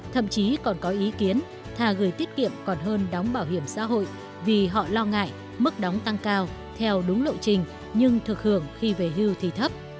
thậm chí còn có ý kiến thà gửi tiết kiệm còn hơn đóng bảo hiểm xã hội vì họ lo ngại mức đóng tăng cao theo đúng lộ trình nhưng thực hưởng khi về hưu thì thấp